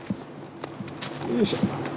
よいしょ。